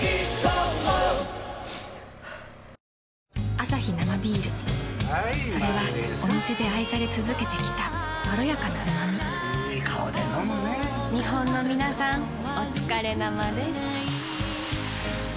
アサヒ生ビールそれはお店で愛され続けてきたいい顔で飲むね日本のみなさんおつかれ生です。